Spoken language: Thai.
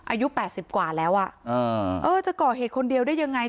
อายุ๘๐กว่าแล้วอ่ะเออจะก่อเหตุคนเดียวได้ยังไง